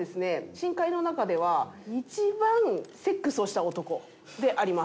神界の中では一番セックスをした男であります。